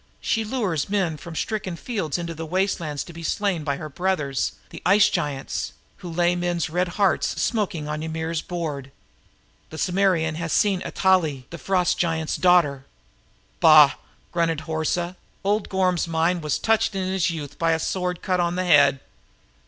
She lures men from stricken fields into the wastelands to be slain by her brothers, the ice giants, who lay men's red hearts smoking on Ymir's board. Amra has seen Atali, the frost giant's daughter!" "Bah!" grunted Horsa. "Old Gorm's mind was turned in his youth by a sword cut on the head.